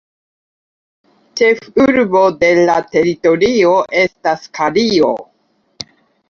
Ĉefurbo de la teritorio estas Kalio.